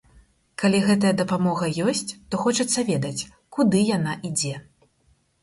Калі гэтая дапамога ёсць, то хочацца ведаць, куды яна ідзе.